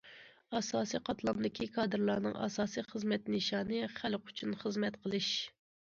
ئاساسىي قاتلامدىكى كادىرلارنىڭ ئاساسىي خىزمەت نىشانى خەلق ئۈچۈن خىزمەت قىلىش.